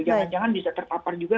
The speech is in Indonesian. jangan jangan bisa terpapar juga